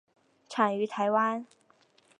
产于台湾。